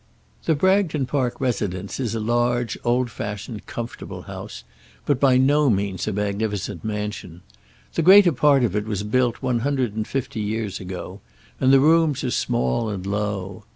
The Bragton Park residence is a large, old fashioned, comfortable house, but by no means a magnificent mansion. The greater part of it was built one hundred and fifty years ago, and the rooms are small and low.